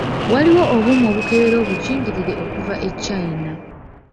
Waliwo obuuma obukebera obugingirire okuva e China.